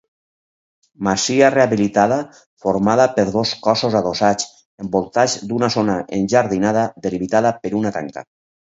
Masia rehabilitada formada per dos cossos adossats, envoltats d'una zona enjardinada delimitada per una tanca.